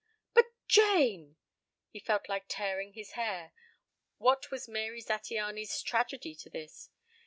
"But Jane!" He felt like tearing his hair. What was Mary Zattiany's tragedy to this?